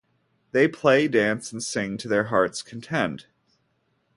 They play, dance, and sing to their heart's content.